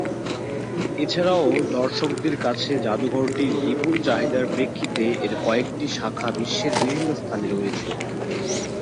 এছাড়াও দর্শকদের কাছে জাদুঘরটির বিপুল চাহিদার প্রেক্ষিতে এর কয়েকটি শাখা বিশ্বের বিভিন্ন স্থানে রয়েছে।